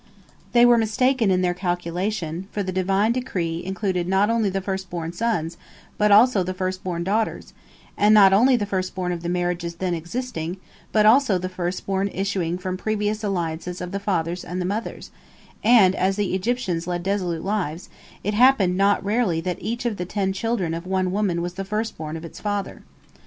They were mistaken in their calculation, for the Divine decree included not only the first born sons, but also the first born daughters, and not only the first born of the marriages then existing, but also the first born issuing from previous alliances of the fathers and the mothers, and as the Egyptians led dissolute lives, it happened not rarely that each of the ten children of one woman was the first born of its father.